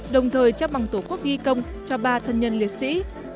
đồng thời chấp bằng tổ quốc ghi công cho ba thân nhân liệt sĩ